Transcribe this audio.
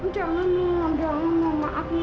jangan mam jangan mam maaf mam